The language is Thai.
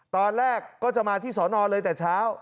ตอนแรกก็จะมาที่สอนอเลยแต่เช้า